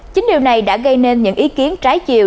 chính điều này đã gây nên những ý kiến trái chiều